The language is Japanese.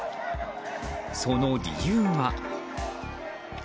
その理由は。